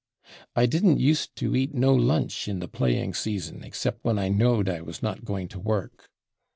I didn't used to eat /no/ lunch in the playing season except when I /knowed/ I was not going to work....